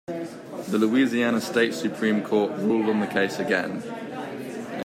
The Louisiana State Supreme Court ruled on the case again.